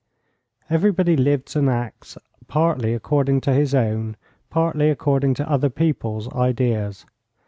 Everybody lives and acts partly according to his own, partly according to other people's, ideas.